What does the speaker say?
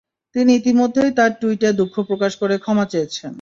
তিনি ইতিমধ্যেই তার টুইটে দুঃখ প্রকাশ করে ক্ষমা চেয়েছেন।